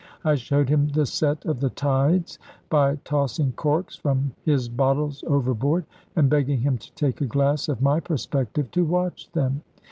I showed him the set of the tides by tossing corks from his bottles overboard, and begging him to take a glass of my perspective to watch them.